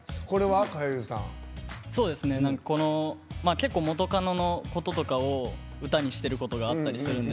結構元カノのこととかを歌にしてることがあったりするんで。